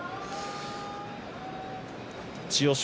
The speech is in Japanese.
千代翔